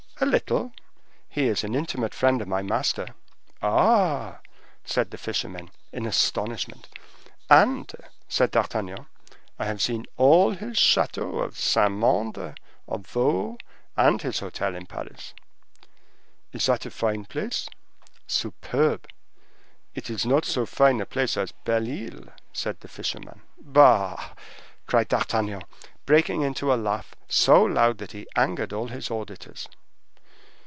"A little; he is the intimate friend of my master." "Ah!" said the fishermen, in astonishment. "And," said D'Artagnan, "I have seen all his chateaux of Saint Mande, of Vaux, and his hotel in Paris." "Is that a fine place?" "Superb." "It is not so fine a place as Belle Isle," said the fisherman. "Bah!" cried M. d'Artagnan, breaking into a laugh so loud that he angered all his auditors.